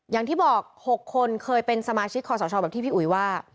อย่างที่บอก๖คนเคยเป็นสมาชิกคอสชแบบที่พี่อุ๋ยว่า